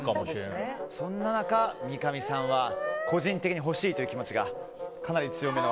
そんな中、三上さんは個人的に欲しいという気持ちがかなり強めな。